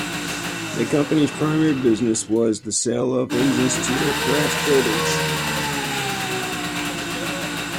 The company's primary business was the sale of engines to aircraft builders.